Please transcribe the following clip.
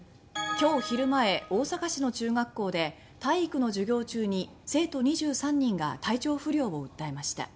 今日昼前大阪市の中学校で体育の授業中に生徒２３人が体調不良を訴えました。